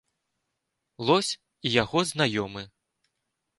Лось і яго знаёмы.